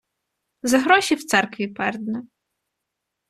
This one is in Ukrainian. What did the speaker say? За гроші в церкві пердне